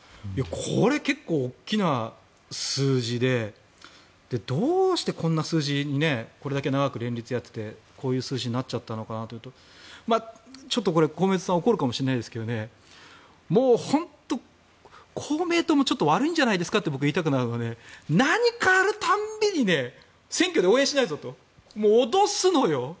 これ、結構大きな数字でどうしてこんな数字にこれだけ長く連立をやっていてこういう数字になっちゃったのかなというとこれ、公明党さん怒るかもしれませんがもう本当、公明党もちょっと悪いんじゃないかと言いたくなるのは何かある度に選挙で応援しないぞと脅すのよ